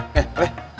eh pak haji